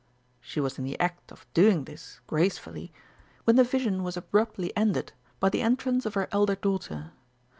She was in the act of doing this gracefully, when the vision was abruptly ended by the entrance of her elder daughter.